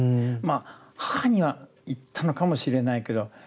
まあ母には言ったのかもしれないけど。